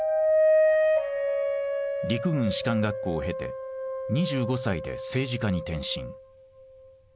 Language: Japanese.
陸軍士官学校を経て２５歳で政治家に転身。